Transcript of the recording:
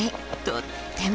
とっても。